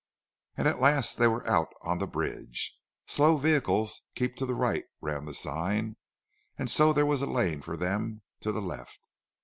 And at last they were out on the bridge. "Slow vehicles keep to the right," ran the sign, and so there was a lane for them to the left.